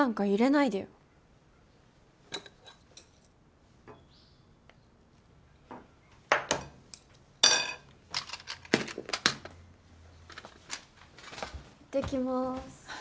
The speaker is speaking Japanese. いってきます。